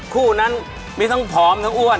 คู่นั้นไม่ต้องผอมไม่ต้องอ้วน